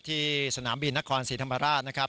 ที่สนามบินนครศรีธรรมราชนะครับ